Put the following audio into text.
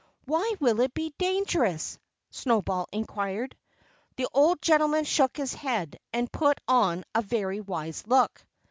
"Why will it be dangerous?" Snowball inquired. The old gentleman shook his head and put on a very wise look.